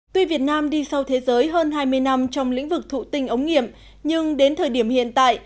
tuy việt nam đi sau thế giới hơn hai mươi năm trong lĩnh vực thụ tinh ống nghiệm nhưng đến thời điểm hiện tại